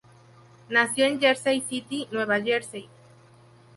Nació en Jersey City, Nueva Jersey.